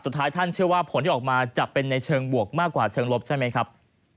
สุดท้ายท่านเชื่อว่าผลที่ออกมาจะเป็นในเชิงบวกมากกว่าเชิงลบใช่ไหมครับ